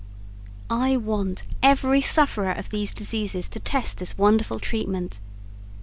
I want every sufferer of these diseases to test this wonderful treatment.